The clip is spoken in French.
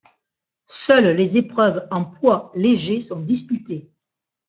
Seules les épreuves en poids légers sont disputées.